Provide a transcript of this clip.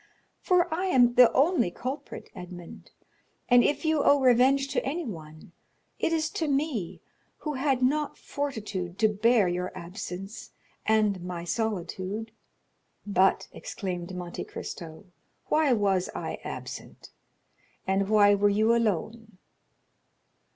—for I am the only culprit, Edmond, and if you owe revenge to anyone, it is to me, who had not fortitude to bear your absence and my solitude." "But," exclaimed Monte Cristo, "why was I absent? And why were you alone?"